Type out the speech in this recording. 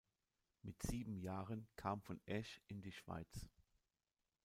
Mit sieben Jahren kam von Aesch in die Schweiz.